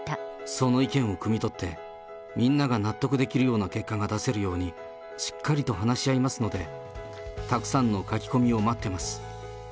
その意見をくみ取って、みんなが納得できるような結果が出せるように、しっかりと話し合いますので、たくさんの書き込みを待ってます。